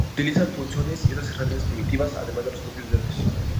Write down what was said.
Se utilizan punzones y otras herramientas primitivas, además de los propios dedos.